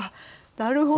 なるほど。